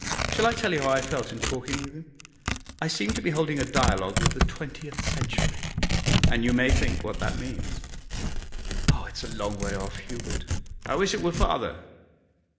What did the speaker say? Shall I tell you how I felt in talking with him? I seemed to be holding a dialogue with the twentieth century, and you may think what that means.' 'Ah, it's a long way off, Hubert.' 'I wish it were farther.